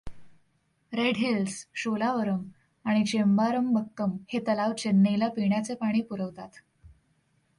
Red hills, Sholavaram आणि चेंबारमबक्कम हे तलाव चेन्नईला पिण्याचे पाणी पुरवतात.